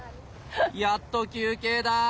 やっと休憩だ。